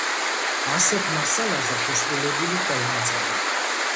ასეთ მასალაზე შესრულებული ხელნაწერი.